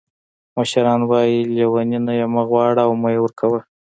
مشران وایي: لیوني نه یې مه غواړه او مه یې ورکوه.